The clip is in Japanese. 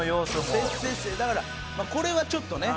せっせっせだからこれはちょっとね。